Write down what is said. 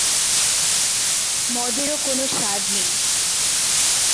মদেরও কোন স্বাদ নেই।